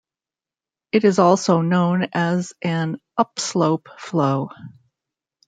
It is also known as an upslope flow.